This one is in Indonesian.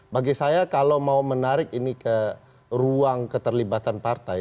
bagi saya kalau mau menarik ini ke ruang keterlibatan partai